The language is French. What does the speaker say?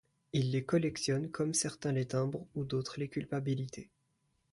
Il les collectionne comme certains les timbres ou d'autres les culpabilités.